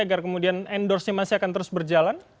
agar kemudian endorse nya masih akan terus berjalan